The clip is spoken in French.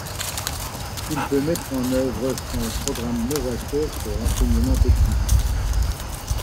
Il peut mettre en œuvre son programme novateur pour l'enseignement technique.